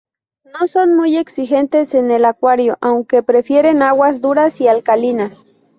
No son muy exigentes en el acuario, aunque prefieren aguas duras y alcalinas.